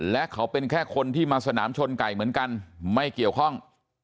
และเขาเป็นแค่คนที่มาสนามชนไก่เหมือนกันไม่เกี่ยวข้อง